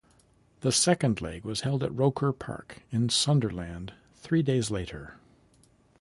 The second leg was held at Roker Park in Sunderland three days later.